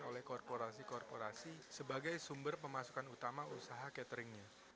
oleh korporasi korporasi sebagai sumber pemasukan utama usaha cateringnya